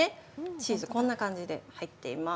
チーズ、こんな感じで入っています。